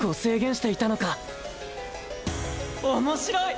面白い！